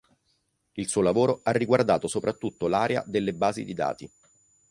Il suo lavoro ha riguardato soprattutto l'area delle basi di dati.